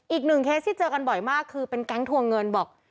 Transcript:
เคสที่เจอกันบ่อยมากคือเป็นแก๊งทวงเงินบอก